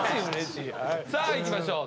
さあいきましょう。